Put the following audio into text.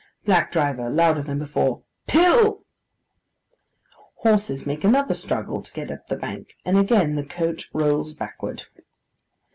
BLACK DRIVER (louder than before). 'Pill!' Horses make another struggle to get up the bank, and again the coach rolls backward.